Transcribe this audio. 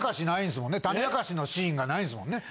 タネ明かしのシーンがないんですもんね。